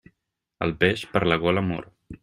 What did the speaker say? El peix, per la gola mor.